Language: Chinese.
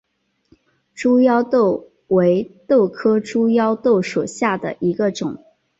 猪腰豆为豆科猪腰豆属下的一个种。